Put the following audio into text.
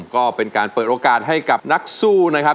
ก็เป็นการเปิดโอกาสให้กับนักสู้นะครับ